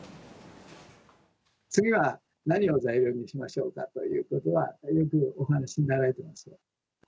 次は何を材料にしましょうかということは、よくお話になられていますよ。